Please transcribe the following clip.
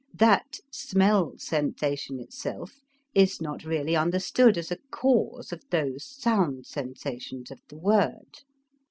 That smell sensation itself is not really understood as a cause of those sound sensations of the word.